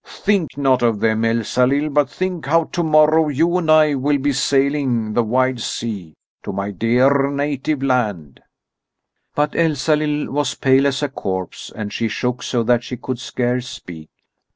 Think not of them, Elsalill, but think how tomorrow you and I will be sailing the wide sea to my dear native land!" But Elsalill was pale as a corpse, and she shook so that she could scarce speak.